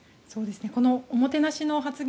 このおもてなしの発言